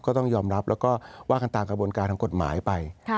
ก็ต้องยอมรับแล้วก็ว่ากันตามกระบวนการทางกฎหมายไป